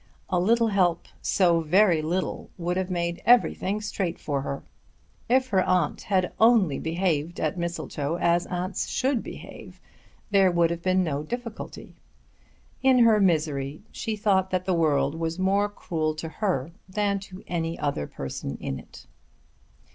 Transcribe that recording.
A little help, so very little, would have made everything straight for her! If her aunt had only behaved at Mistletoe as aunts should behave, there would have been no difficulty. In her misery she thought that the world was more cruel to her than to any other person in it.